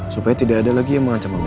supaya tidak ada lagi yang mengancam allah